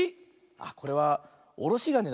あっこれはおろしがねだね。